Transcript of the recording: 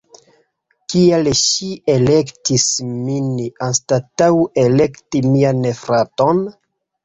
Kial ŝi elektis min anstataŭ elekti mian fraton?